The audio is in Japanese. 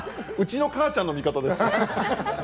うちの母ちゃんの味方です。